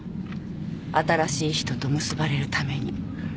新しい人と結ばれるために。